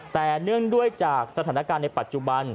แต่เนื่องด้วยจากสถานการณ์ในปัจจุบัน